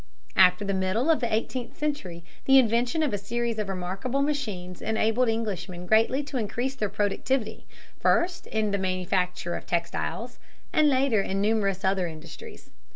After the middle of the eighteenth century the invention of a series of remarkable machines enabled Englishmen greatly to increase their productivity, first in the manufacture of textiles, and later in numerous other industries.